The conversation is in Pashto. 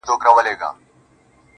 ما ستا په شربتي سونډو خمار مات کړی دی.